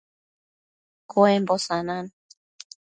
Cuembo sanan